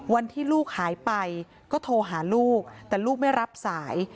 ลูกหายไปก็โทรหาลูกแต่ลูกไม่รับสาย